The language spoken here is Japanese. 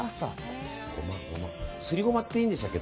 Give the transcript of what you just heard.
すりゴマっていいんでしたっけ？